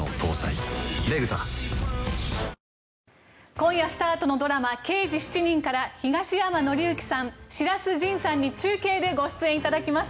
今夜スタートのドラマ「刑事７人」から東山紀之さん、白洲迅さんに中継で参加いただきます。